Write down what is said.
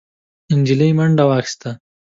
نجلۍ منډه واخيسته،